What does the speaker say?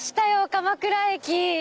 鎌倉駅。